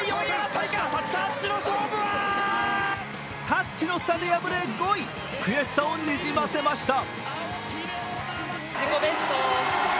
タッチの差で敗れ５位、悔しさをにじませました。